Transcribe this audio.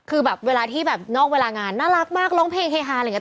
คือแบบเวลาที่แบบนอกเวลางานน่ารักมากร้องเพลงเฮฮาอะไรอย่างนี้